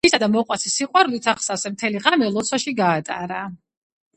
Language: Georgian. ღვთისა და მოყვასის სიყვარულით აღსავსემ მთელი ღამე ლოცვაში გაატარა.